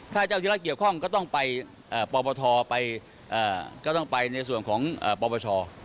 ถ้าเจ้าที่รัฐเกี่ยวข้องก็ต้องไปปปทไปก็ต้องไปในส่วนของปปช